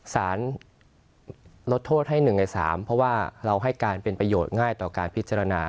สารลดโทษให้๑ใน๓เพราะว่าเราให้การเป็นประโยชน์ง่ายต่อการพิจารณา